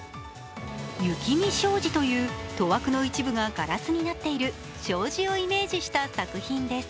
雪見障子という戸枠の一部がガラスになっている障子をイメージした作品です。